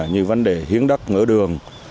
như vấn đề hiến đắc ngỡ đường